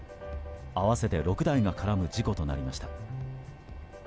合わせて６台が絡む事故となりました。